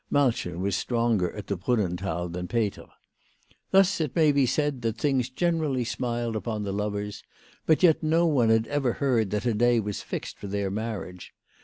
Malchen was stronger at the Brun nenthal than Peter. Thus it may be said that things generally smiled upon the lovers. But yet no one had ever heard that a day was fixed for their marriage.